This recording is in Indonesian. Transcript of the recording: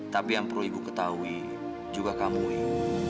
tapi yang perlu ibu ketahui juga kamu wik